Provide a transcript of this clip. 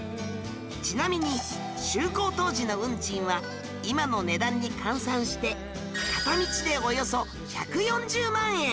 ちなみに就航当時の運賃は今の値段に換算して片道でおよそ１４０万円！